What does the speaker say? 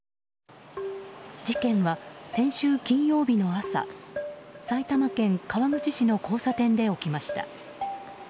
事件は先週金曜日の朝埼玉県川口市の交差点で起きました。